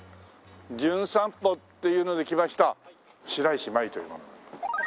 『じゅん散歩』っていうので来ました白石麻衣という者。